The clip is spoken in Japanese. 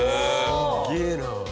すげえな！